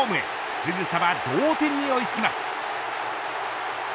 すぐさま同点に追いつきます。